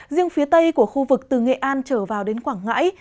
riêng phía tây của khu vực từ nghệ an trở vào đến quảng ngãi